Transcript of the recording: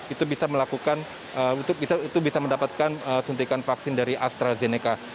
itu bisa mendapatkan suntikan vaksin dari astrazeneca